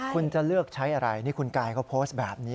คุณจะเลือกใช้อะไรนี่คุณกายเขาโพสต์แบบนี้